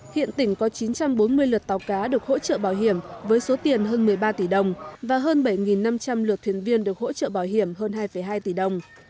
hiện tỉnh có chín trăm bốn mươi lượt tàu cá được hỗ trợ bảo hiểm với số tiền hơn một mươi ba tỷ đồng và hơn bảy năm trăm linh lượt thuyền viên được hỗ trợ bảo hiểm hơn hai hai tỷ đồng